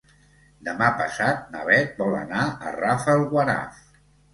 Demà passat na Beth vol anar a Rafelguaraf.